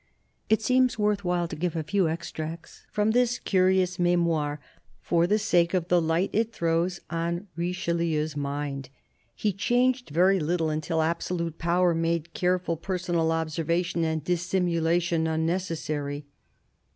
It seems worth while to give a few extracts from this curious Memoire for the sake of the light it throws on Richelieu's mind. He changed very little until absolute power made careful personal observation and dissimulation unnecessary.